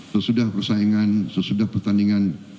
sesudah persaingan sesudah pertandingan